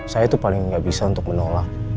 saya tuh paling gak bisa untuk menolak